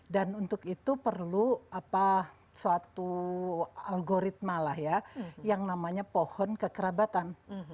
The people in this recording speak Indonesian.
dan untuk itu perlu suatu algoritma yang namanya pohon kekerabatan